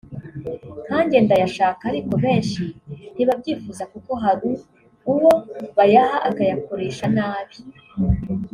nkanjye ndayashaka ariko benshi ntibabyifuza kuko hari uwo bayaha akayakoresha nabi